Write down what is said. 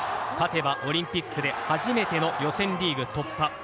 勝てばオリンピックで初めての予選リーグ突破。